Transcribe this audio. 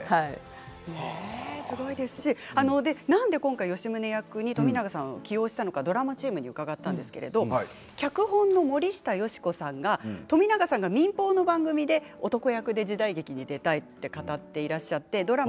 なんで今回吉宗役に冨永さんを起用したのかドラマチームに伺ったんですが脚本の森下佳子さんが冨永さんが民放の番組で男役で時代劇に出たいと語っていらっしゃってドラマ